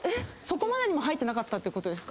そこまでにも入ってなかった？